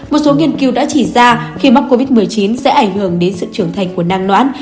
một số nghiên cứu đã chỉ ra khi mắc covid một mươi chín sẽ ảnh hưởng đến sự trưởng thành của nang nõn